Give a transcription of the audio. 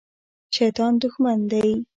شیطان دښمن دی